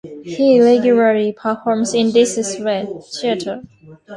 He regularly performs in this theatre.